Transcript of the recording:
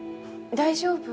大丈夫？